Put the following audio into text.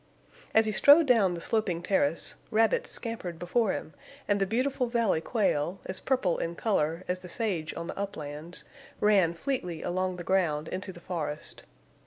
As he strode down the sloping terrace, rabbits scampered before him, and the beautiful valley quail, as purple in color as the sage on the uplands, ran fleetly along the ground into the forest.